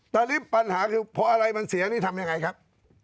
ตอนนี้ปัญหาคือพออะไรมันเสียนี่ทำยังไงครับ